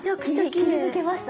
切り抜けました？